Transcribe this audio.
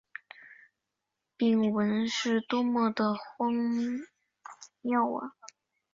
鼎文是多么地荒谬啊！